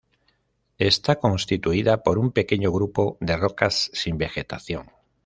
Está constituida por un pequeño grupo de rocas sin vegetación.